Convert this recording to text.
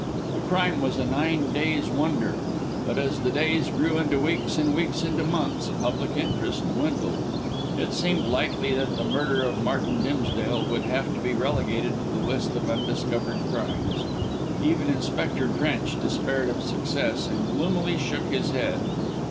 The crime was a nine days' wonder, but as the days grew into weeks and weeks into months, public interest dwindled. It seemed likely that the murder of Martin Dimsdale would have to be relegated to the list of undiscovered crimes. Even Inspector Drench despaired of success, and gloomily shook his head.